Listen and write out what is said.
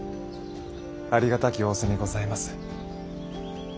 ありがたき仰せにございます。